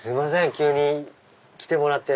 急に来てもらって。